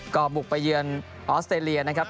ก็บุกไปเยือนออสเตรเลียนะครับ